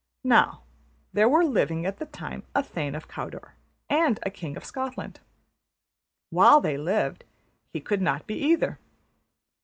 Now there were living at the time a Thane of Cawdor and a King of Scotland. While they lived, he could not be either.